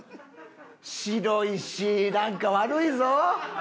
白いしなんか悪いぞ！